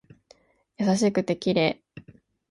優しくて綺麗